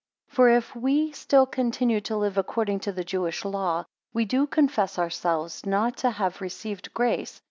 For if we still continue to live according to the Jewish law, we do confess ourselves not to have received grace.